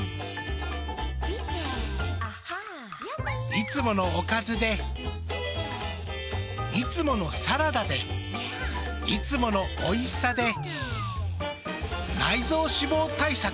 いつものおかずでいつものサラダでいつものおいしさで内臓脂肪対策。